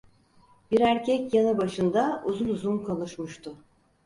Bir erkek yanı başında uzun uzun konuşmuştu.